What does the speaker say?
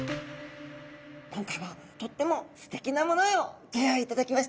今回はとってもすてきなものをギョ用意いただきましたよ！